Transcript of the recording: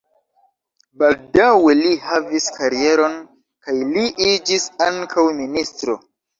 Baldaŭe li havis karieron kaj li iĝis ankaŭ ministro.